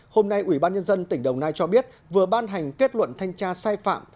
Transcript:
hôm nay ủy ban nhân dân tỉnh đồng nai cho biết vừa ban hành kết luận thanh tra sai phạm